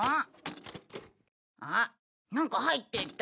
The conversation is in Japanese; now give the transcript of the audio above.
なんか入ってた。